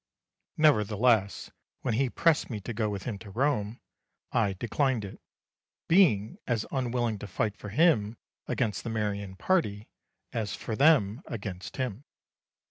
Nevertheless, when he pressed me to go with him to Rome, I declined it, being as unwilling to fight for him against the Marian party, as for them against him.